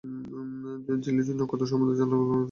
ঝিল্লি যদি নক্ষত্র সম্বন্ধে জল্পনা করে– রসিক।